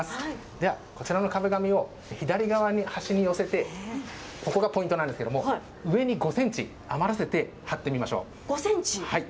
では、こちらの壁紙を左側に、端に寄せて、ここがポイントなんですけれども、上に５センチ余らせて貼ってみましょう。